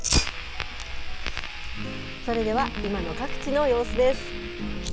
それでは今の各地の様子です。